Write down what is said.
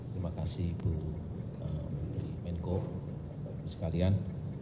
terima kasih bu menteri menko sekalian